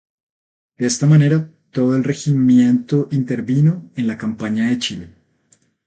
De esta manera, todo el Regimiento intervino en la campaña de Chile.